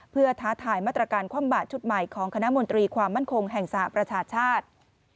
เพื่อท้าทายมาตรการคว่ำบาดชุดใหม่ของคณะมนตรีความมั่นคงแห่งสหประชาชาติ